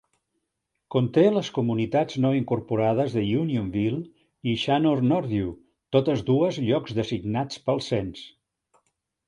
Conté les comunitats no incorporades de Unionville i Shanor-Northvue, totes dues llocs designats pel cens.